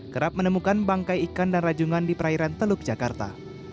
kerap menemukan bangkai ikan dan rajungan di perairan teluk jakarta